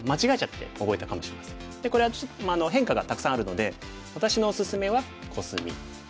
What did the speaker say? これは変化がたくさんあるので私のおすすめはコスミ。